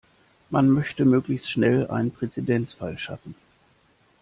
Man möchte möglichst schnell einen Präzedenzfall schaffen.